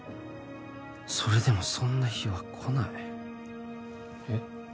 それでもそんな日は来ないえっ？